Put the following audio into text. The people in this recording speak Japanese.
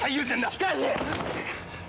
しかし！